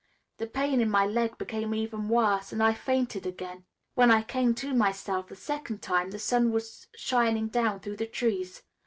The pain in my leg became even worse and I fainted again. When I came to myself the second time, the sun was shining down through the trees.